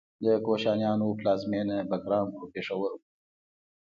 د کوشانیانو پلازمینه بګرام او پیښور و